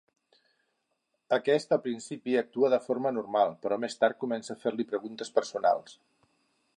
Aquest al principi actua de forma normal, però més tard comença a fer-li preguntes personals.